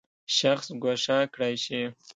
شخص ګوښه کړی شي.